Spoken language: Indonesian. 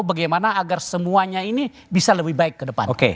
karena agar semuanya ini bisa lebih baik ke depan